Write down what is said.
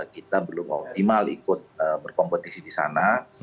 kita belum optimal ikut berkompetisi di sana